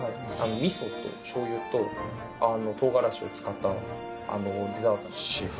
みそとしょうゆととうがらしを使ったデザートなんです